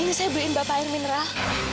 ini saya beliin bapak air mineral